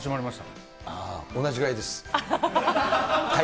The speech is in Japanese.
同じぐらいです。